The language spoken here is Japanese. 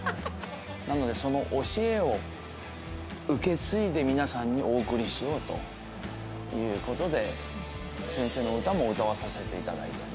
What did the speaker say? なのでその教えを受け継いで皆さんにお送りしようという事で先生の歌も歌わさせて頂いたり。